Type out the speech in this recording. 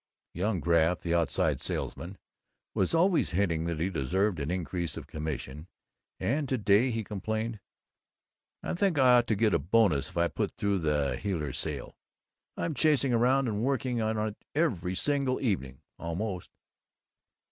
Young Graff, the outside salesman, was always hinting that he deserved an increase of commission, and to day he complained, "I think I ought to get a bonus if I put through the Heiler sale. I'm chasing around and working on it every single evening, almost."